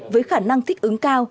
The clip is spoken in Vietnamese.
với khả năng thích ứng cao